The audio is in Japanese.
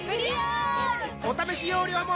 お試し容量も